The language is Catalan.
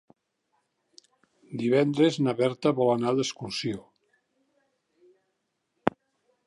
Divendres na Berta vol anar d'excursió.